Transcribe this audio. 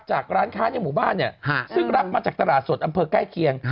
จากร้านค้าอย่างหมู่บ้านซึ่งรับมาจากตลาดสดอำเภอใกล้เคียง